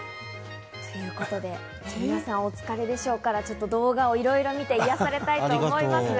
皆さんお疲れでしょうから、動画を見て癒されたいと思います。